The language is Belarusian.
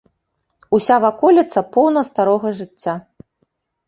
Уся ваколіца поўна старога жыцця.